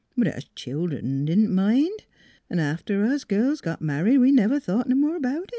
But us childern didn't mind; 'n' after us girls got married we never thought no more about it.